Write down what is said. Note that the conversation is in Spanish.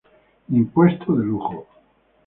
Impuesto de lujo.